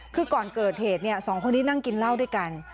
คือก่อนเกิดเหตุสองคนนี้นั่งกินเหล้าด้วยกัน